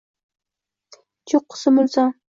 cho’qqisi mulzam.